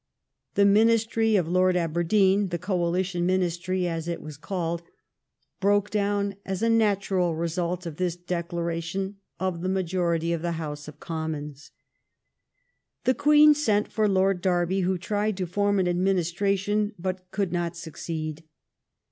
The Ministry of Lord Aber deen — the Coalition Ministry, as it was called — broke down as a natural result of this declaration of the majority of the House of Commons. The Queen sent for Lord Derby, who tried to form an administration, but could not succeed.